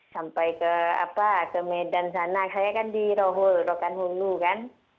sampai ke apa ke medan sana saya kan di rohul rokanhulu kan